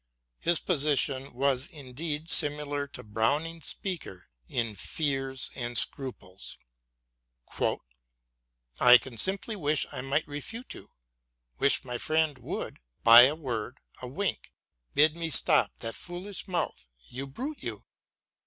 His position was, indeed, similar to Browning's speaker in " Fears and Scruples ": I can simply wish I might refute you. Wish my friend would, — by a word, a wint, — Bid me stop that foolish mouth — ^you brute you